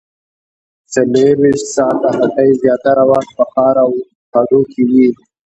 څلورویشت ساعته هټۍ زیاتره وخت په ښار او هډو کې وي